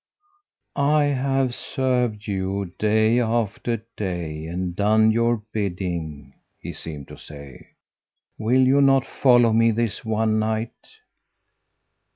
"'I have served you day after day and done your bidding,' he seemed to say. 'Will you not follow me this one night?'